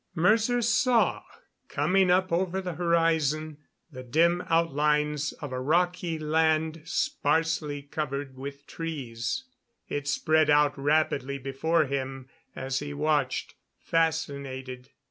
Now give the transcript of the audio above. Mercer saw, coming up over the horizon, the dim outlines of a rocky land sparsely covered with trees. It spread out rapidly before him as he watched, fascinated.